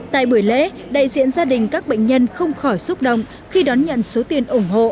tại buổi lễ đại diện gia đình các bệnh nhân không khỏi xúc động khi đón nhận số tiền ủng hộ